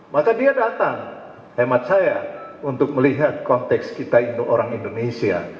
maka dia datang hemat saya untuk melihat konteks kita itu orang indonesia